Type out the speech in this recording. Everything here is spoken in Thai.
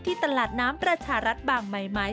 ตลาดน้ำประชารัฐบางไม้